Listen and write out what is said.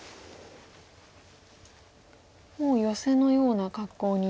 もうヨセのような格好に。